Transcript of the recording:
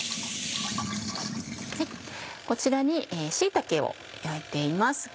こちらに椎茸を焼いています。